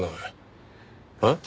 えっ？